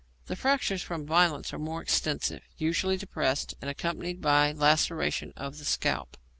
The fractures from violence are more extensive, usually depressed, and accompanied by laceration of the scalp.